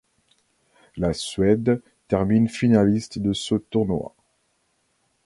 La Suède termine finaliste de ce tournoi.